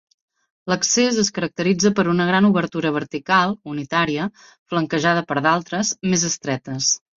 L'accés es caracteritza per una gran obertura vertical, unitària, flanquejada per d'altres, més estretes.